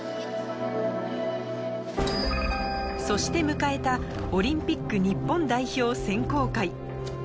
そして迎えたオリンピック日本代表選考会。